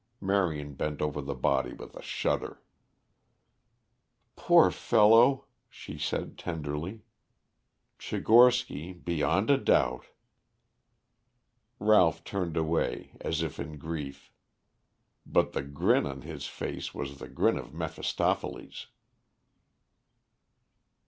Marion bent over the body with a shudder. "Poor fellow," she said tenderly. "Tchigorsky beyond a doubt." Ralph turned away, as if in grief. But the grin on his face was the grin of Mephistopheles.